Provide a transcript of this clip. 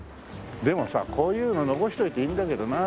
でもさこういうの残しておいていいんだけどな。